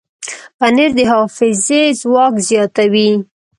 پنېر د حافظې ځواک زیاتوي.